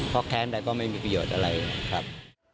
เพราะแค้นไปก็ไม่มีประโยชน์อะไรครับ